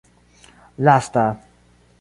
lasta